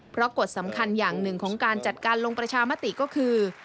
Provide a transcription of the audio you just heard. เพราะกฎสำคัญอย่างหนึ่งของการจัดการลงประชามติก็คือ